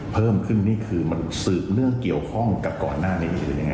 เพิ่มขึ้นนี่คือมันสืบเรื่องเกี่ยวข้องกับก่อนหน้านี้หรือยังไง